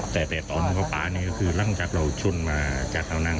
แต่แต่ตอนเขาฟ้านี่ก็คือหลังจากเราชุ่นมาจัดเอานั่ง